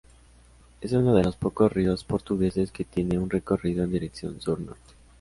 Es un de los pocos ríos portugueses que tiene un recorrido en dirección sur-norte.